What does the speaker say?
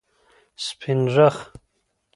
سپینرخ